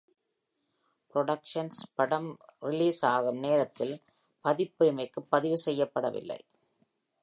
Productions, படம் release ஆகும் நேரத்தில் பதிப்புரிமைக்கு பதிவு செய்யப்படவில்லை.